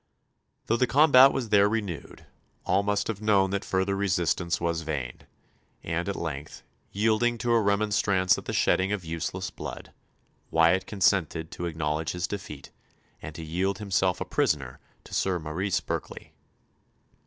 Though the combat was there renewed, all must have known that further resistance was vain, and at length, yielding to a remonstrance at the shedding of useless blood, Wyatt consented to acknowledge his defeat and to yield himself a prisoner to Sir Maurice Berkeley.